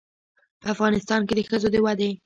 په افغانستان کې د ښځو د ودې